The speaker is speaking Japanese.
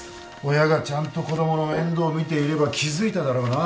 親がちゃんと子供の面倒を見ていれば気付いただろうな。